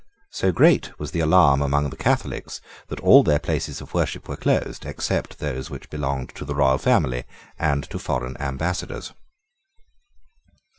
So great was the alarm among the Catholics that all their places of worship were closed, except those which belonged to the royal family and to foreign Ambassadors.